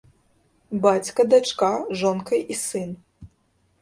Бацька, дачка, жонка і сын.